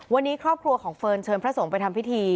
วันนี้ครอบครัวของเฟิร์นเชิญพระสงฆ์ไปทำพิธี